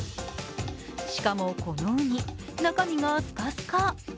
しかも、このうに、中身がスカスカ。